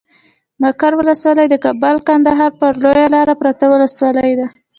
مقر ولسوالي د کابل کندهار پر لويه لاره پرته ولسوالي ده.